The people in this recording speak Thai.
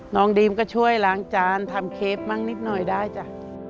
ดีมก็ช่วยล้างจานทำเค้กมั่งนิดหน่อยได้จ้ะ